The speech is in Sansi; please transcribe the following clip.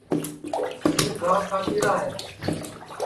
ہوں گھاس کاٹی آئیرا ہے